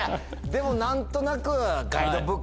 でも何となく。